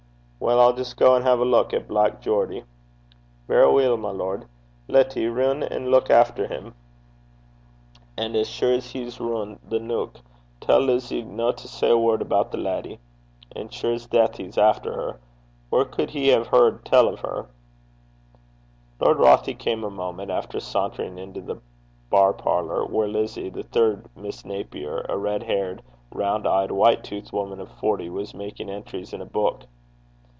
'Well, I'll just go and have a look at Black Geordie.' 'Verra weel, my lord. Letty, rin an' luik efter him; and as sune 's he's roon' the neuk, tell Lizzie no to say a word aboot the leddy. As sure 's deith he's efter her. Whaur cud he hae heard tell o' her?' Lord Rothie came, a moment after, sauntering into the bar parlour, where Lizzie, the third Miss Napier, a red haired, round eyed, white toothed woman of forty, was making entries in a book.